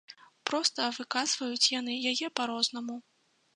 Проста выказваюць яны яе па-рознаму.